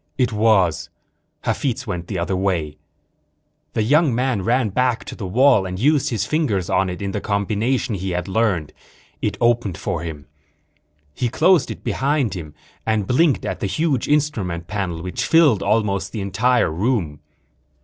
It was. Hafitz went another way. The young man ran back to the wall and used his fingers on it in the combination he had learned. It opened for him. He closed it behind him and blinked at the huge instrument panel which filled almost the entire room.